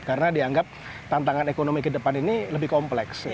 karena dianggap tantangan ekonomi ke depan ini lebih kompleks